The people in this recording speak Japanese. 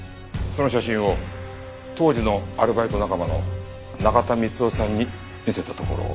その写真を当時のアルバイト仲間の中田光夫さんに見せたところ。